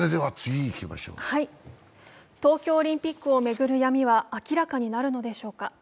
東京オリンピックを巡る闇は明らかになるのでしょうか。